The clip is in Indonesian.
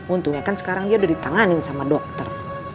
untungnya kan sekarang dia udah ditanganin sama dokter